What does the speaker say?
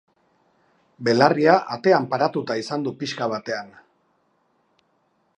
Belarria atean paratuta izan du pixka batean.